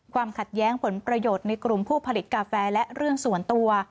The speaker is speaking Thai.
ความขัดแย้งผลประโยชน์ในกลุ่มผู้ผลิตกาแฟและเรื่องส่วนตัว